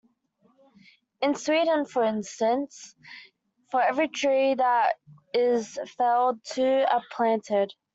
In Sweden for instance for every tree that is felled two are planted.